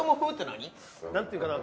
何ていうんかな